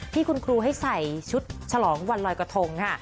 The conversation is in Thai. ที่คุณครูให้ใส่ชุดฉลองวันลอยกระทงค่ะ